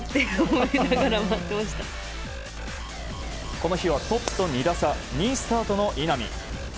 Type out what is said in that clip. この日はトップと２打差２位スタートの稲見。